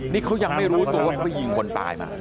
นี่เขายังไม่รู้ตัวว่าเขาไปยิงคนตายมา